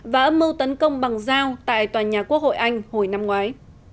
và âm mưu tấn công bằng dao tại tòa nhà quốc hội anh hồi năm ngoái